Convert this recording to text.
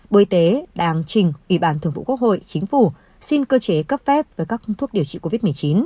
bộ y tế đang trình ủy ban thường vụ quốc hội chính phủ xin cơ chế cấp phép với các thuốc điều trị covid một mươi chín